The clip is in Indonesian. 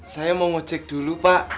saya mau ngecek dulu pak